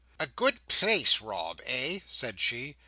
"A good place, Rob, eh?" said she.